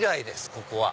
ここは。